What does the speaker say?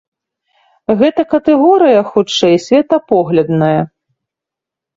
Гэта катэгорыя, хутчэй, светапоглядная.